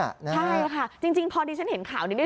ใช่ค่ะจริงพอดีฉันเห็นข่าวนี้ด้วย